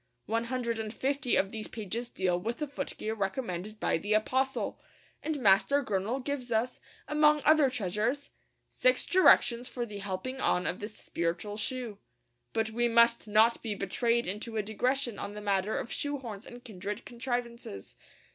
One hundred and fifty of these pages deal with the footgear recommended by the apostle; and Master Gurnall gives us, among other treasures, 'six directions for the helping on of this spiritual shoe.' But we must not be betrayed into a digression on the matter of shoe horns and kindred contrivances.